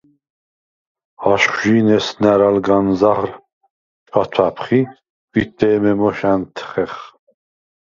აშხვჟი̄ნ ესნა̈რ ალ განზა̈რ ჩვათვა̈ფხ ი ქვით დე̄მე მოშ ა̈ნთხეხ.